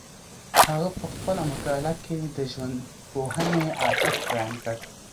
هغه په خپله مقاله کي د ژوندپوهنې ارزښت بیان کړ.